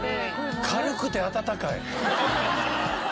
軽くて暖かい？